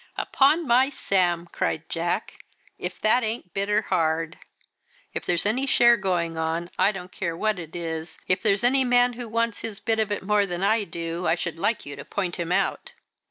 "Upon my Sam!" cried Jack, "if that ain't bitter hard. If there's any sharing going on, I don't care what it is, if there's any man who wants his bit of it more than I do, I should like you to point him out.